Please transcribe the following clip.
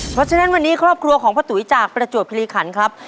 เพราะฉะนั้นวันนี้ครอบครัวของพ่อตุ๋ยจากประจวบคลีขันครับ